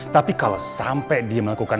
tapi kalo sampe dia melakukan